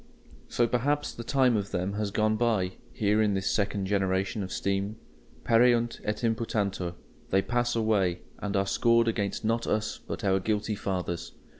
So perhaps the time of them has gone by, here in this second generation of steam. Pereunt et imputantur; they pass away, and are scored against not us but our guilty fathers.